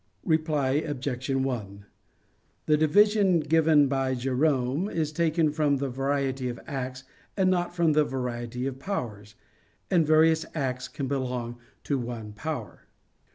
Reply Obj. 1: The division given by Jerome is taken from the variety of acts, and not from the variety of powers; and various acts can belong to one power.